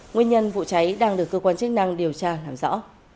nguyên nhân vụ cháy đang được cơ quan chức năng điều tra làm rõ